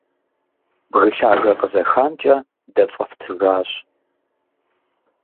Бгы лъагэ къызэхамкӀэ дэцӀэфтыжащ.